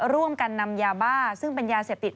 ร่วมกันนำยาบ้าซึ่งเป็นยาเสพติด